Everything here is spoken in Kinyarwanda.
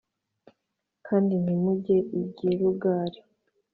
kandi ntimujye i Gilugali